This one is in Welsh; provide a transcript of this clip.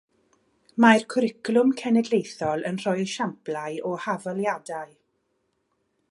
Mae'r cwricwlwm cenedlaethol yn rhoi esiamplau o hafaliadau